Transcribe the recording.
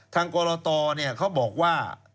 ทางกรตอเขาบอกว่า